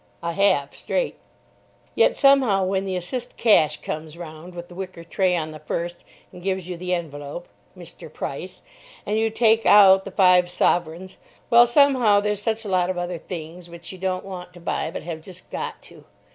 I have, straight. Yet somehow when the assist. cash. comes round with the wicker tray on the 1st, and gives you the envelope ("Mr. Price") and you take out the five sovereigns—well, somehow, there's such a lot of other things which you don't want to buy but have just got to.